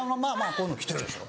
こういうの着てるでしょ。